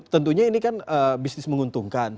tentunya ini kan bisnis menguntungkan